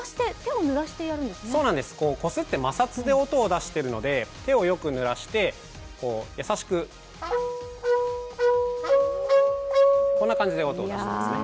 そうなんです、こすって摩擦で音を出しているので、手をよくぬらして優しく、こんな感じで音を出します。